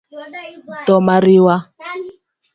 Tho mariwa;